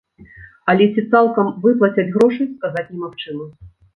Але ці цалкам выплацяць грошы, сказаць немагчыма.